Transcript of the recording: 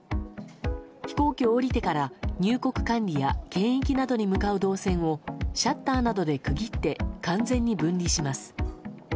飛行機を降りてから入国管理や検疫などに向かう動線をシャッターなどで区切って完全に分離します。